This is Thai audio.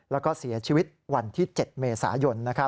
แล้วก็เสียชีวิตวันที่๗เมษายน